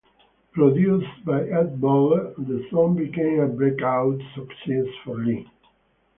Produced by Ed Buller, the song became a breakout success for Lee.